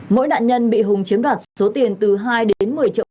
mỗi đạn nhân bị hùng chiếm đạt số tiền từ hai đến một mươi triệu